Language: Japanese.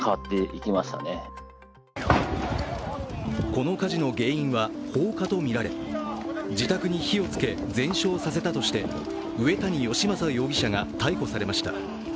この火事の原因は放火とみられ自宅に火をつけ全焼させたとして上谷善政容疑者が逮捕されました。